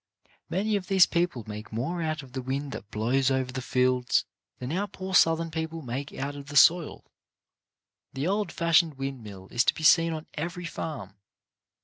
Many of these people make more out of the wind that blows over the fields than our poor Southern people make out of the soil. The old fashioned windmill is to be seen on every farm.